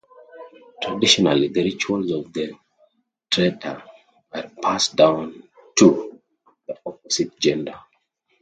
Traditionally, the rituals of the traiteur are passed down to the opposite gender.